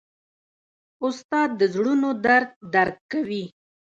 استاد د زړونو درد درک کوي.